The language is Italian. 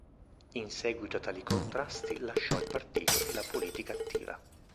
In seguito a tali contrasti lasciò il partito e la politica attiva.